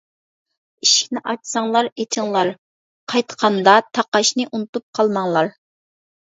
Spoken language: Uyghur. ئىشىكنى ئاچساڭلار ئېچىڭلار، قايتقاندا تاقاشنى ئۇنتۇپ قالماڭلار.